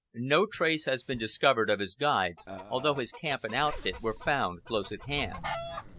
No trace has been discovered of his guides, although his camp and outfit were found close at hand.